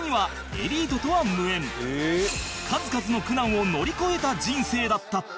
数々の苦難を乗り越えた人生だった